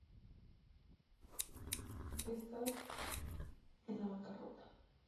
Estás en la bancarrota